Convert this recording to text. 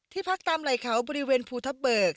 พักตามไหล่เขาบริเวณภูทับเบิก